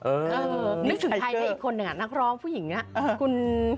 เออไม่สุดท้ายในอีกคนน่ะนักร้องผู้หญิงน่ะ